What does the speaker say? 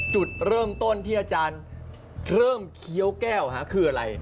จุดเริ่มต้นที่อาจารย์เริ่มเคี้ยวแก้วคืออะไร